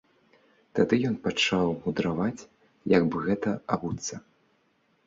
Тады ён пачаў мудраваць, як бы гэта абуцца.